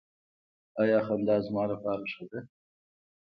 ایا خندا زما لپاره ښه ده؟